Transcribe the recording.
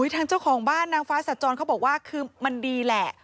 ทางเจ้าของบ้านนางฟ้าสัจจรเขาบอกว่าคือมันดีแหละ